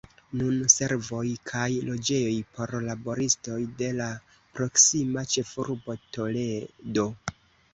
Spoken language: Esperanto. Nun servoj kaj loĝejoj por laboristoj de la proksima ĉefurbo Toledo.